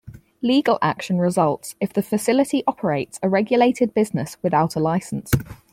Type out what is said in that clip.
Legal action results if the facility operates a regulated business without a license.